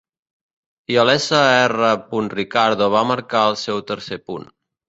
I el Sr. Ricardo va marcar el seu tercer punt.